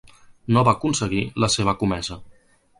No va aconseguir la seva comesa.